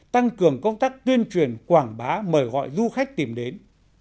tăng cường công tác tuyên truyền quảng bá mời gọi du khách tìm đến